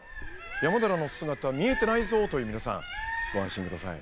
山寺の姿見えてないぞ！という皆さんご安心ください。